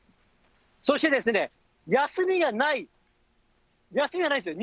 そして休みがない、休みがないんですよ。